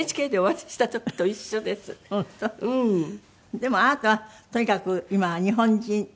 でもあなたはとにかく今は日本人でいらっしゃる。